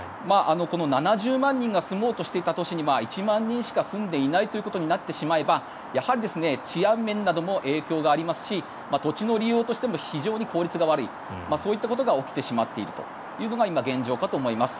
７０万人が住もうとしていた都市に１万人しか住んでいないということになってしまえばやはり治安面なども影響がありますし土地の利用としても非常に効率が悪いということが起きてしまっているというのが今、現状かと思います。